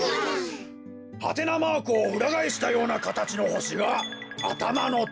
はてなマークをうらがえしたようなかたちのほしがあたまのところ。